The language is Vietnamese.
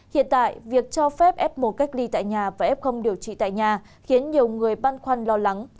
hiện tại việc cho phép f một cách ly tại nhà và f điều trị tại nhà khiến nhiều người băn khoăn lo lắng